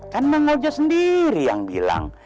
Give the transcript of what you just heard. kan emang ojo sendiri yang bilang